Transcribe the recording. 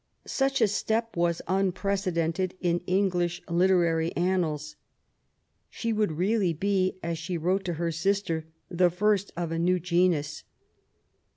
Such a step was unprecedented in English literary annals. She would really be, as she wrote to her sister, the first of a new genus.